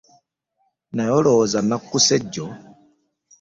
Naye olowooza nakkuse jjo?